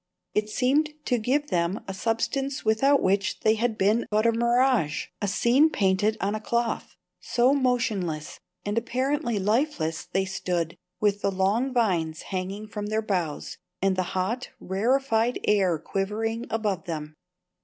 It seemed to give them a substance without which they had been but a mirage, a scene painted on a cloth, so motionless and apparently lifeless they stood, with the long vines hanging from their boughs, and the hot, rarefied air quivering above them.